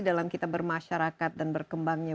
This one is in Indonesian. dalam kita bermasyarakat dan berkembangnya